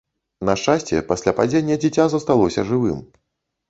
На шчасце, пасля падзення дзіця засталося жывым.